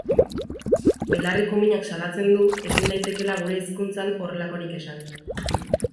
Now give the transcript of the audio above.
Belarriko minak salatzen du ezin daitekeela gure hizkuntzan horrelakorik esan.